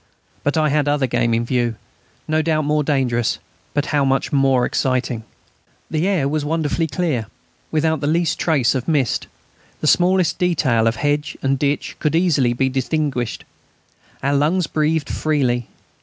But I had other game in view no doubt more dangerous, but how much more exciting! The air was wonderfully clear, without the least trace of mist. The smallest detail of hedge and ditch could be easily distinguished. Our lungs breathed freely.